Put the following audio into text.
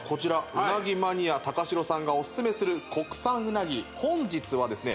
うなぎマニア高城さんがオススメする国産うなぎ本日はですね